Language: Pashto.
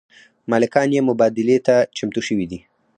مالکان یې مبادلې ته چمتو شوي دي.